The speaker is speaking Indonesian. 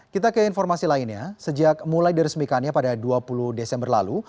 kita ke informasi lainnya sejak mulai diresmikannya pada dua puluh desember lalu